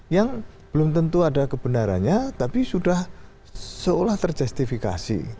yang belum tentu ada kebenarannya tapi sudah seolah terjustifikasi